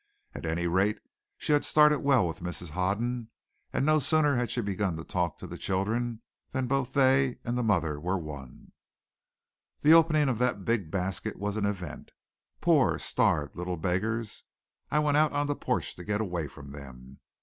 At any rate, she had started well with Mrs. Hoden, and no sooner had she begun to talk to the children than both they and the mother were won. The opening of that big basket was an event. Poor, starved little beggars! I went out on the porch to get away from them.